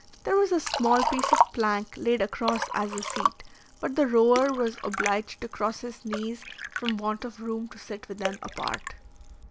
There was a small piece of plank laid across as a seat, but the rower was obliged to cross his knees from want of room to sit with them apart.